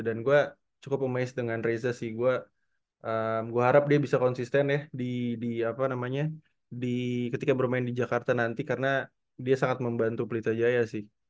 dan gue cukup amazed dengan reza sih gue harap dia bisa konsisten ya ketika bermain di jakarta nanti karena dia sangat membantu pelita jaya sih